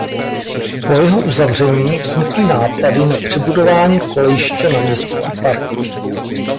Po jeho uzavření vznikly nápady na přebudování kolejiště na městský park.